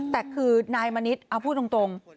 แต่คือนายมณิษฐ์เอาพูดตรง